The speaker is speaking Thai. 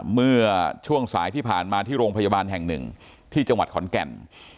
เมื่อช่วงสายที่ผ่านมาที่โรงพยาบาลแห่งหนึ่งที่จังหวัดขอนแก่น